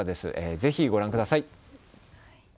ぜひご覧ください。